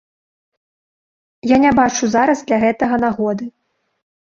Я не бачу зараз для гэтага нагоды.